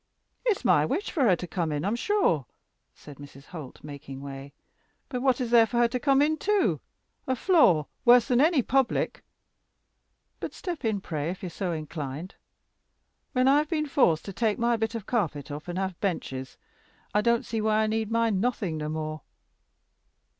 "It's my wish for her to come in, I'm sure," said Mrs. Holt, making way; "but what is there for her to come in to? a floor worse than any public. But step in, pray, if you're so inclined. When I've been forced to take my bit of carpet up, and have benches, I don't see why I need mind nothing no more."